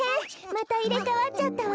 またいれかわっちゃったわ。